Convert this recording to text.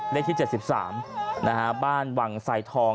เลขที่๗๓บ้านวังไซทอง